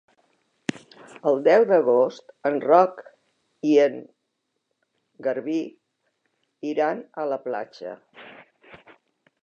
El deu d'agost en Roc i en Garbí iran a la platja.